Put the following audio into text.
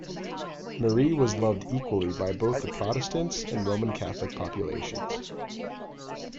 Marie was loved equally by both the Protestants and Roman Catholic populations.